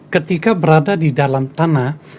ketika berada di dalam tanah